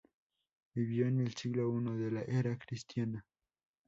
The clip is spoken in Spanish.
Vivió en el siglo I de la era cristiana.